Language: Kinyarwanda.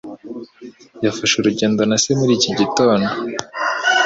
Yafashe urugendo na se muri iki gitondo.